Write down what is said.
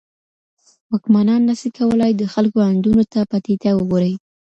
واکمنان نه سي کولای د خلګو آندونو ته په ټيټه وګوري.